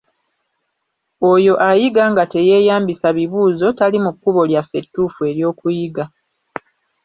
Oyo ayiga nga teyeeyambisa bibuuzo, tali mu kkubo lyaffe ettuufu ery'okuyiga.